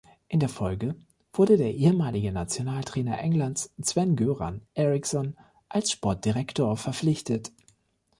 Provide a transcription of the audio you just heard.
In der Folge wurde der ehemalige Nationaltrainer Englands Sven-Göran Eriksson als Sportdirektor verpflichtet.